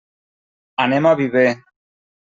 Anem a Viver.